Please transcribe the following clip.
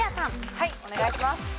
はいお願いします。